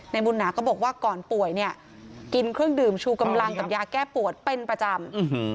บุญหนาก็บอกว่าก่อนป่วยเนี่ยกินเครื่องดื่มชูกำลังกับยาแก้ปวดเป็นประจำ